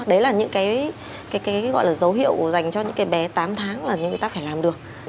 đấy là những cái gọi là dấu hiệu dành cho những cái bé tám tháng mà những người ta phải làm được